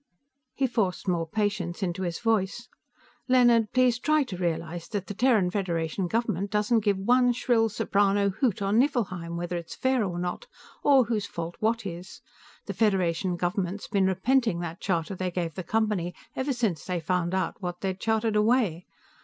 He forced more patience into his voice. "Leonard, please try to realize that the Terran Federation government doesn't give one shrill soprano hoot on Nifflheim whether it's fair or not, or whose fault what is. The Federation government's been repenting that charter they gave the Company ever since they found out what they'd chartered away.